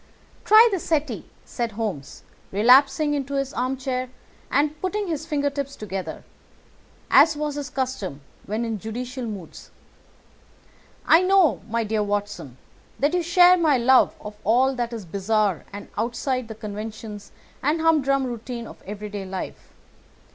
"Try the settee," said Holmes, relapsing into his armchair and putting his fingertips together, as was his custom when in judicial moods. "I know, my dear Watson, that you share my love of all that is bizarre and outside the conventions and humdrum routine of everyday life.